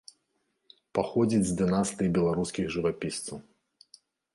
Паходзіць з дынастыі беларускіх жывапісцаў.